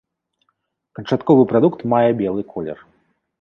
Канчатковы прадукт мае белы колер.